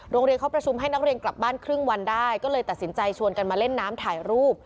โรงเรียนเขาประชุมให้นักเรียนกลับบ้านครึ่งวันได้ก็เลยตัดสินใจชวนกันมาเล่นน้ำถ่ายรูป